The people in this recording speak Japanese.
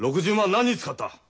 何に使った！？